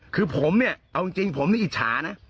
คือผมเนี่ยเอาจริงผมนี่อิจฉานะ